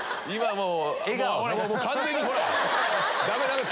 もう。